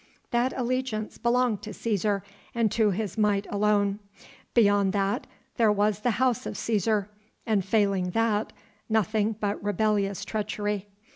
That allegiance belonged to Cæsar and to his might alone; beyond that there was the House of Cæsar, and failing that, nothing but rebellious treachery.